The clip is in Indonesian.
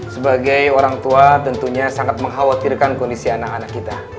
sebagai orang tua tentunya sangat mengkhawatirkan kondisi anak anak kita